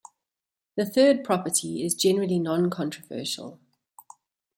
The third property is generally non-controversial.